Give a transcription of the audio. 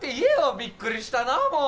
びっくりしたなあもう。